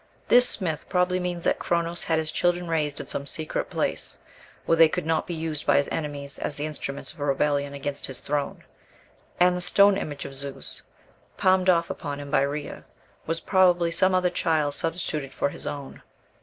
This myth probably means that Chronos had his children raised in some secret place, where they could not be used by his enemies as the instruments of a rebellion against his throne; and the stone image of Zeus, palmed off upon him by Rhea, was probably some other child substituted for his own.